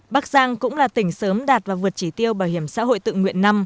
bắc giang cũng là tỉnh sớm đạt và vượt chỉ tiêu bảo hiểm xã hội tự nguyện năm